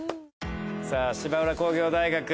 さあ芝浦工業大学。